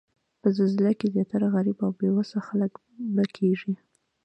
په زلزله کې زیاتره غریب او بې وسه خلک مړه کیږي